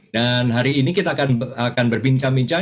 dan hari ini kita akan berbincang bincang